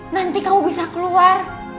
nanti kamu bisa keluar